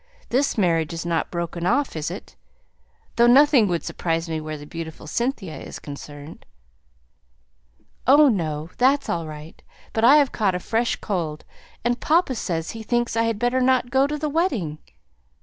This marriage isn't broken off, is it? Though nothing would surprise me where the beautiful Cynthia is concerned." "Oh, no! that's all right. But I have caught a fresh cold, and papa says he thinks I had better not go to the wedding."